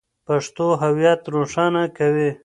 پښتو هویت روښانه کوي.